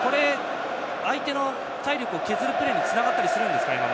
相手の体力を削るプレーにつながったりするんですか？